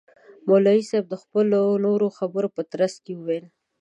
مولوی صاحب د خپلو نورو خبرو په ترڅ کي وویل.